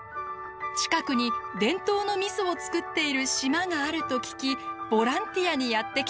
近くに伝統のみそを造っている島があると聞きボランティアにやって来たのです。